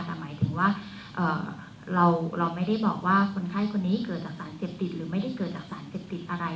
แต่หมายถึงว่าเราไม่ได้บอกว่าคนไข้คนนี้เกิดจากสารเสพติดหรือไม่ได้เกิดจากสารเสพติดอะไร